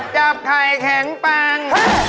จับไข่แข็งปัง